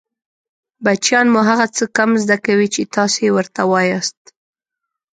بچیان مو هغه څه کم زده کوي چې تاسې يې ورته وایاست